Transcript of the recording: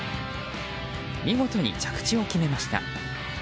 見事に着地を決めました。